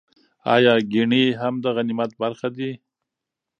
ایا ګېڼي هم د غنیمت برخه دي؟